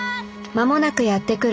間もなくやって来る